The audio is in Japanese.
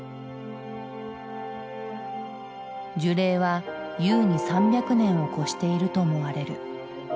樹齢は優に３００年を超していると思われる。